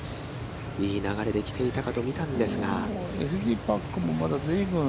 いい流れで来ていたかと見たんですが。